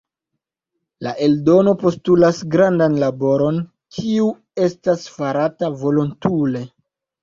La eldono postulas grandan laboron, kiu estas farata volontule.